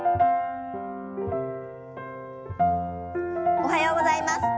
おはようございます。